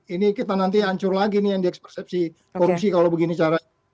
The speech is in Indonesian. ini kita nanti ancur lagi nih yang di ekspersepsi korupsi kalau begini caranya